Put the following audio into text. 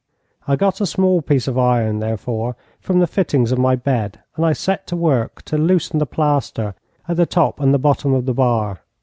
I got a small piece of iron, therefore, from the fittings of my bed, and I set to work to loosen the plaster at the top and the bottom of the bar.